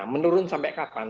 menurun sampai kapan